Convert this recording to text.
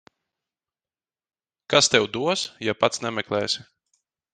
Kas tev dos, ja pats nemeklēsi.